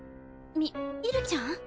みみるきちゃん？